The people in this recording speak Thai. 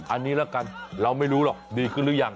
อันนี้ละกันเราไม่รู้หรอกดีขึ้นหรือยัง